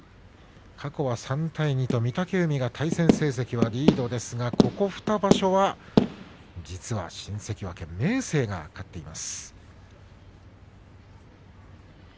過去３対２と御嶽海が対戦成績はリードですがここ２場所は、実は新関脇、明生が勝っています。